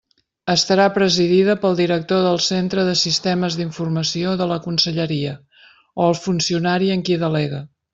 Estarà presidida pel director del Centre de Sistemes d'Informació de la conselleria, o funcionari en qui delegue.